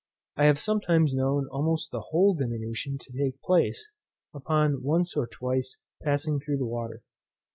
I have sometimes known almost the whole diminution to take place, upon once or twice passing through the water.